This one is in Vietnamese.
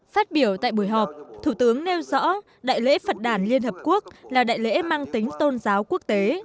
phát biểu tại buổi họp thủ tướng nêu rõ đại lễ phật đàn liên hợp quốc là đại lễ mang tính tôn giáo quốc tế